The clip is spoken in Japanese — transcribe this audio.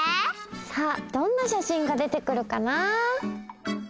さあどんなしゃしんが出てくるかな？